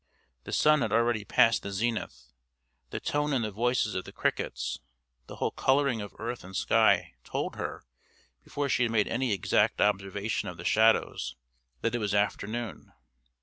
The sun had already passed the zenith; the tone in the voices of the crickets, the whole colouring of earth and sky, told her, before she had made any exact observation of the shadows, that it was afternoon.